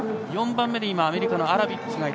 ４番目でアメリカのアラビッチ。